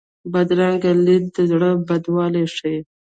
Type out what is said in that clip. بدرنګه لید د زړه بدوالی ښيي